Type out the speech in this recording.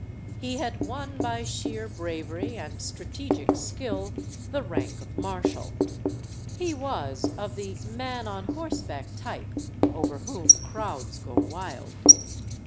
He had won, by sheer bravery and strategic skill, the rank of Marshal. He was of the "man on horseback" type over whom crowds go wild.